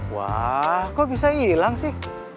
wah kok bisa hilang sih